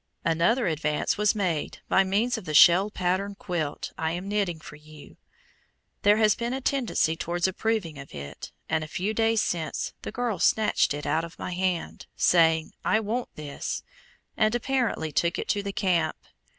Another advance was made by means of the shell pattern quilt I am knitting for you. There has been a tendency towards approving of it, and a few days since the girl snatched it out of my hand, saying, "I want this," and apparently took it to the camp.